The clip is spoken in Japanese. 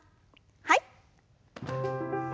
はい。